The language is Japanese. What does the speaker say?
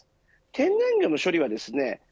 天然魚の処理はですね